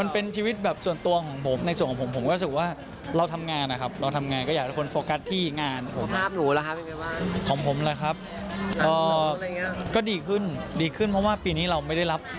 เป็นชีวิตแบบส่วนตัวของผม